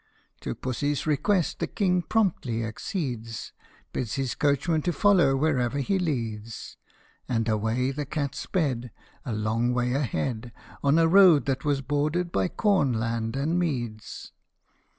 To Pussy's request the King promptly accedes, Bids his coachman to follow wherever he leads, And away the cat sped A long way ahead On a road that was bordered by corn land and meads.